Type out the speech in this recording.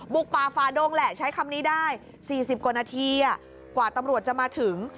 ป่าฝาดงแหละใช้คำนี้ได้๔๐กว่านาทีกว่าตำรวจจะมาถึง